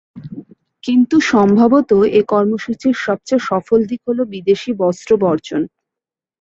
কিন্তু সম্ভবত এ কর্মসূচির সবচেয়ে সফল দিক হলো বিদেশি বস্ত্র বর্জন।